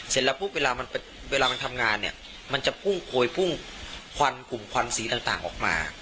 เสร็จแล้วปุ๊บเวลามันทำงานเนี่ยมันจะพุ่งโพยพุ่งควันกลุ่มควันสีต่างออกมา